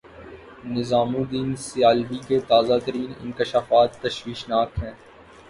نظام الدین سیالوی کے تازہ ترین انکشافات تشویشناک ہیں۔